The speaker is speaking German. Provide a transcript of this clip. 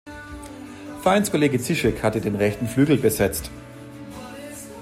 Vereinskollege Zischek hatte den rechten Flügel besetzt.